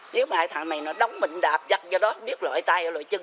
nếu mà thằng này nó đóng mình đạp dắt vô đó biết lội tay lội chân